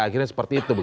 akhirnya seperti itu